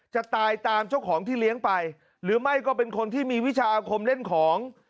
จะตายตามเจ้าของที่เลี้ยงไปหรือไม่ก็เป็นคนที่มีวิชาอาคมเล่นของ